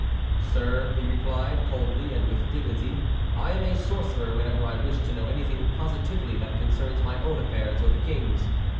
"Sir," replied he, coldly and with dignity, "I am a sorcerer whenever I wish to know anything positively that concerns my own affairs or the King's.